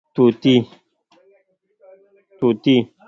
🦜 طوطي